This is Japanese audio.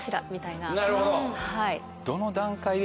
なるほど。